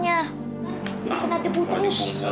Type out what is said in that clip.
ini karena kamu gak pernah ada waktu kamu ada di jalan terus soalnya